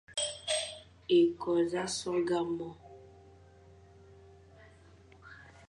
Ékô z a sôrga môr,